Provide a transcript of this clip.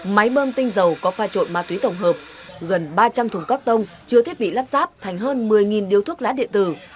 máy bơm tinh dầu có pha trộn ma túy tổng hợp gần ba trăm linh thùng các tông chứa thiết bị lắp sáp thành hơn một mươi điếu thuốc lá điện tử